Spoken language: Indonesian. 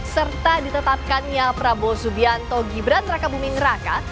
serta ditetapkannya prabowo subianto gibran raka buming raka